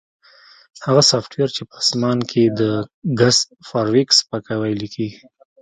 هغه سافټویر چې په اسمان کې د ګس فارویک سپکاوی لیکي